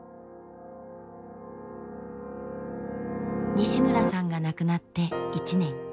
西村さんが亡くなって１年。